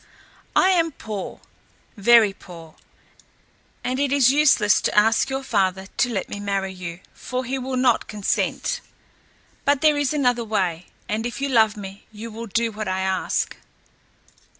I am poor, very poor, and it is useless to ask your father to let me marry you, for he will not consent; but there is another way, and if you love me, you will do what I ask.